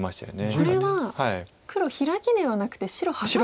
これは黒ヒラキではなくて白ハサミ。